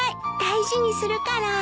大事にするから。